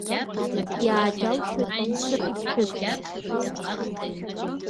Иааџьалшьоит Мамсыр иԥҳәыс.